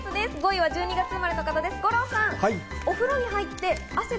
５位は１２月生まれの方、五郎さん。